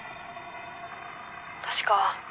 「確か」